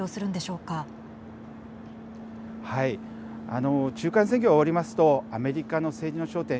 あの中間選挙が終わりますとアメリカの政治の焦点